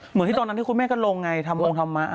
เหมือนที่ตอนนั้นที่คุณแม่ก็ลงไงทำวงธรรมะ